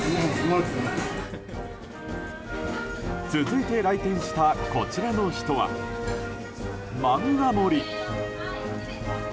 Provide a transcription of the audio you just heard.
続いて来店したこちらの人は、まんが盛り。